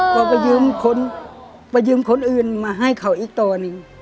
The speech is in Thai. ก็ไปยืมคนอื่นมาให้เขาอีกโตหนึ่ง